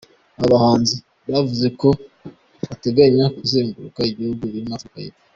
Aba bahanzi bavuze ko bateganya kuzenguruka ibihugu birimo Afurika y’Epfo.